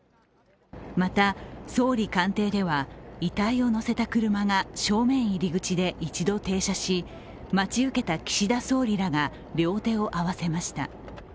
また総理官邸では遺体を乗せた車が正面入り口で一度停車し、待ち受けた岸田総理らが両手を合わせました。